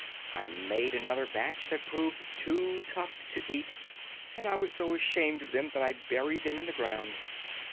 I made another batch that proved too tough to eat, and I was so ashamed of them that I buried them in the ground.